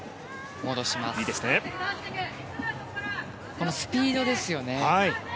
このスピードですよね。